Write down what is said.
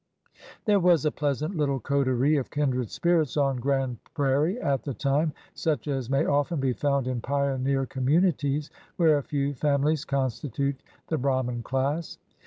There was a pleasant little coterie of kindred spirits on Grand Prairie at that time, such as may often be found in pioneer communities where a few families constitute the Brahman class.